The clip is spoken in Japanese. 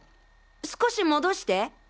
少し戻して。